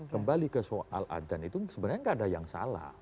kembali ke soal adan itu sebenarnya nggak ada yang salah